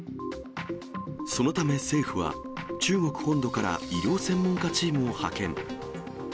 そのため政府は、中国本土から医療専門家チームを派遣。